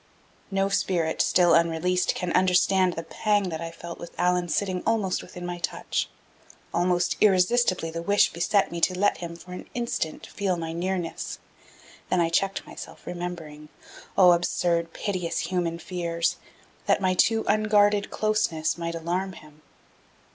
No spirit still unreleased can understand the pang that I felt with Allan sitting almost within my touch. Almost irresistibly the wish beset me to let him for an instant feel my nearness. Then I checked myself, remembering oh, absurd, piteous human fears! that my too unguarded closeness might alarm him.